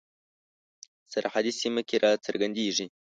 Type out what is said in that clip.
سرحدي سیمه کې را څرګندیږي.